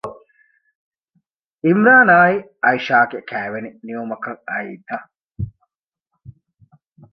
ޢީމްރާނާއި ޢައިޝާގެ ކައިވެނި ނިމުމަކަށް އައީތަ؟